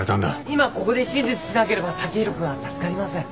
今ここで手術しなければ剛洋君は助かりません。